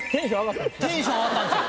テンション上がったんですよ。